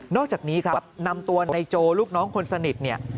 อกจากนี้ครับนำตัวในโจลูกน้องคนสนิทเนี่ย